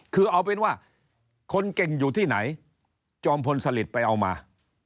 คือเอาเป็นว่าคนเก่งอยู่ที่ไหนจอมพลสลิตไปเอามา